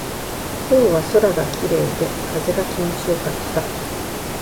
今日は空が綺麗で、風が気持ちよかった。